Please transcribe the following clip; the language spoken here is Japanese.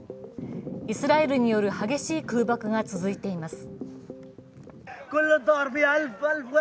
イスラエルによる激しい空爆が続いています。